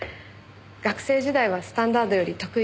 学生時代はスタンダードより得意でしたし